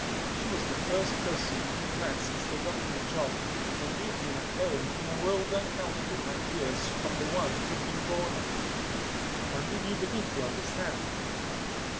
She was the first person he'd met since they got him a job and gave him a home in a world uncountable light years from the one he'd been born on. "When did you begin to understand?"